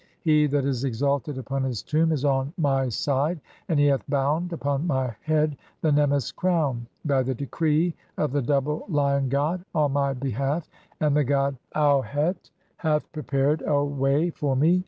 (26) He that is exalted "upon his tomb is on my side, and he hath bound [upon my "head] the nemmes crown, by the decree of the double Lion "god on my behalf, and the god Auhet hath prepared a way "for me.